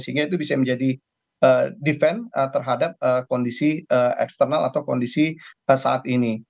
sehingga itu bisa menjadi defense terhadap kondisi eksternal atau kondisi saat ini